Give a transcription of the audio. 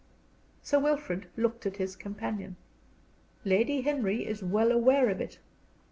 Sir Wilfrid looked at his companion. "Lady Henry is well aware of it."